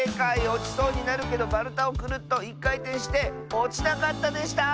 おちそうになるけどまるたをクルッといっかいてんしておちなかったでした！